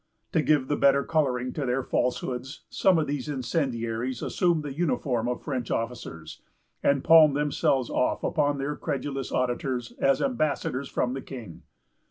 To give the better coloring to their falsehoods, some of these incendiaries assumed the uniform of French officers, and palmed themselves off upon their credulous auditors as ambassadors from the king.